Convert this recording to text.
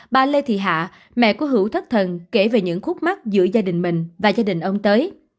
bà lê thị hạ mẹ của hữu thất thần kể về những khúc mắt giữa gia đình mình và gia đình ông tới